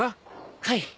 はい。